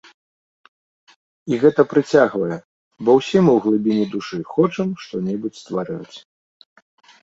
І гэта прыцягвае, бо ўсе мы ў глыбіні душы хочам што-небудзь ствараць.